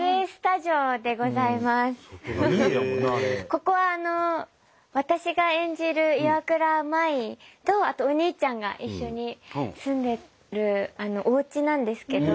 ここは私が演じる岩倉舞とあとお兄ちゃんが一緒に住んでるおうちなんですけど。